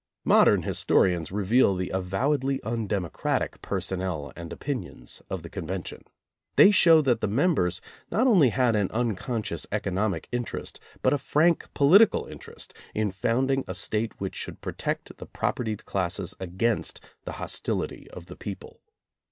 Modern historians re veal the avowedly undemocratic personnel and opinions of the Convention. They show that the members not only had an unconscious economic in terest but a frank political interest in founding a State which should protect the propertied classes against the hostility of the people.